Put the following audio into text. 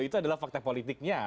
itu adalah fakta politiknya